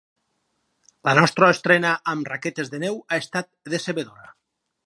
La nostra estrena amb raquetes de neu ha estat decebedora.